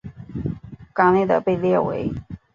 港内的被列为。